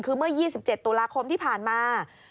คือเมื่อ๒๗ตุลาคมที่ผ่านมา